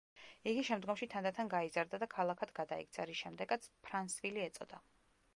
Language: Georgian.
იგი შემდგომში თანდათან გაიზარდა და ქალაქად გადაიქცა, რის შემდეგაც ფრანსვილი ეწოდა.